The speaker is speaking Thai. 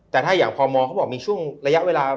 แต่ถ้าอย่างพมเขาบอกมีช่วงระยะเวลา